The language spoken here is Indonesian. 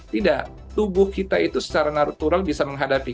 tidak tubuh kita itu secara natural bisa menghadapi